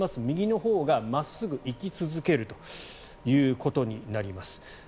右のほうが真っすぐ行き続けるということになります。